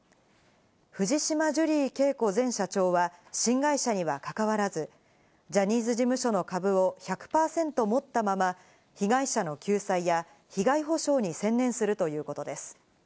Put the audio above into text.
藤島ジュリー景子前社長は新会社には関わらず、ジャニーズ事務所の株を１００％持ったまま、被害者の救済や被害補償に専念するということです。